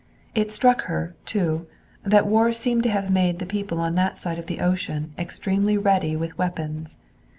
It struck her, too, that war seemed to have made the people on that side of the ocean extremely ready with weapons.